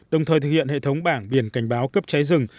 đồng thời thực hiện hệ thống bảng biển cảnh báo cấp cháy rừng